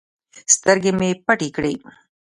سترگې مې پټې کړې.